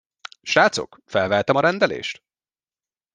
Srácok, felvehetem a rendelést?